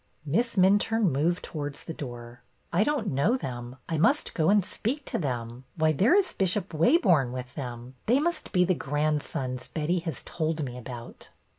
Miss Minturne moved towards the door. '' I don't know them. I must go and speak to them. Why, there is Bishop Waborne with them! They must be the grandsons Betty has told me about."